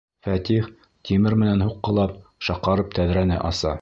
Фәтих тимер менән һуҡҡылап, шаҡарып тәҙрәне аса.